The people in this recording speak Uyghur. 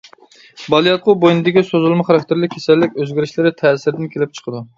بالىياتقۇ بوينىدىكى سوزۇلما خاراكتېرلىك كېسەللىك ئۆزگىرىشلىرى تەسىرىدىن كېلىپ چىقىدۇ.